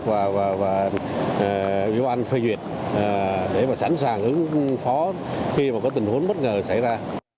các lực lượng công an phê duyệt để sẵn sàng ứng phó khi có tình huống bất ngờ xảy ra